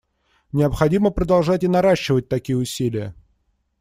Необходимо продолжать и наращивать такие усилия.